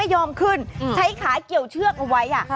ใช้ขาเกี่ยวเชือกเอาไว้